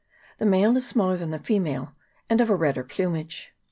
The male is smaller than the female, and of a redder plumage.